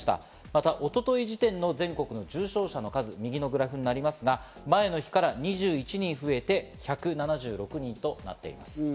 また一昨日時点の全国の重症者の数、右のグラフですが、前の日から２１人増えて、１７６人となっています。